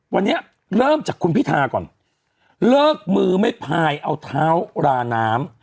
วันนี้เริ่มจากคุณพิธาก่อนเลิกมือไม่พายเอาเท้าราน้ำ